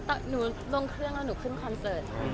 ก็ว่าหนูลงเครื่องนะหนูขึ้นคอนเสิร์ต